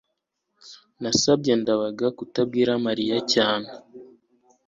nasabye ndabaga kutabwira mariya cyane